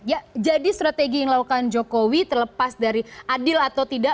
ya jadi strategi yang dilakukan jokowi terlepas dari adil atau tidak